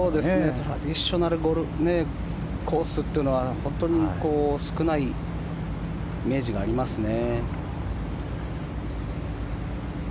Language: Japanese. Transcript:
トラディショナルコースというのは本当に少ないイメージがありますね。